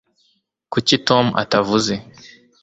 kuki tom atavuze